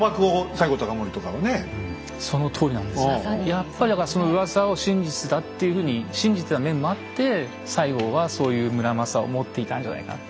やっぱりだからそのうわさを真実だっていうふうに信じてた面もあって西郷はそういう村正を持っていたんじゃないかな。